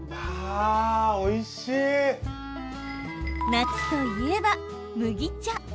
夏といえば麦茶。